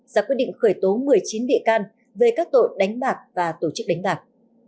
ra quyết định khởi tố một mươi chín bị can về các tội đánh bạc và tổ chức đánh bạc